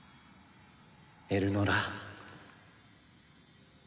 ・エルノラ。